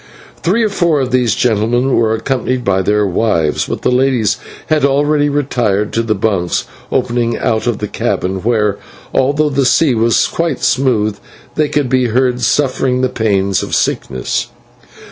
Three or four of these gentlemen were accompanied by their wives, but the ladies had already retired to the bunks opening out of the cabin, where, although the sea was quite smooth, they could be heard suffering the pains of sickness.